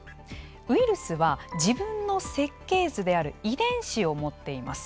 ウイルスは、自分の設計図である遺伝子を持っています。